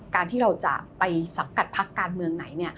การที่เราจะไปสังกัดพักการเมืองไหน